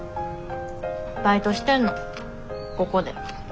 バイトしてんのここで。